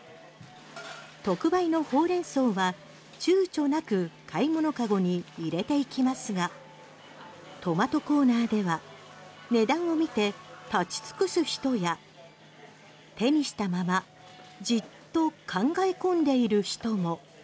特売のホウレンソウは躊躇なく買い物籠に入れていきますがトマトコーナーでは値段を見て立ち尽くす人や手にしたままじっと考え込んでいる人も。